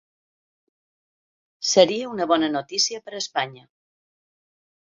Seria una bona notícia per a Espanya.